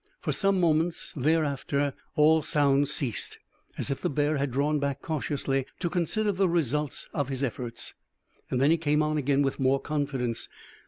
For some moments, thereafter, all sounds ceased, as if the bear had drawn back cautiously to consider the result of his efforts. Then he came on again with more confidence.